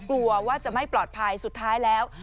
กลัวว่าจะไม่ปลอดภัยสุดท้ายแล้ว